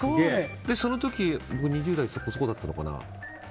その時２０代そこそこだったのかな。